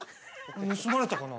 盗まれたかな。